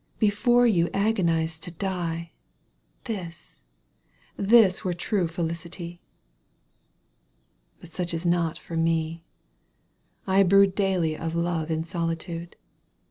Before you agonized to die — This, this were true felicity ! But such is not for me. I brood '1 Daily of love in solitude.